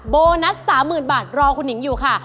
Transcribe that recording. โบนัส๓๐๐๐บาทรอคุณหนิงอยู่ค่ะ